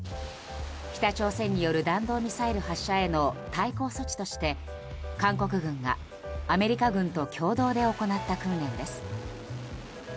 北朝鮮による弾道ミサイル発射への対抗措置として韓国軍がアメリカ軍と共同で行った訓練です。